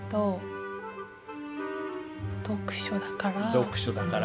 「読書」だから。